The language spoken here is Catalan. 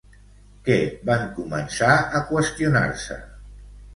Què van començar a qüestionar-se?